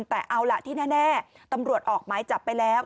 แต่เอาล่ะที่แน่ตำรวจออกหมายจับไปแล้ว